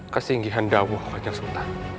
kesinggihan da'wah kanjang sultan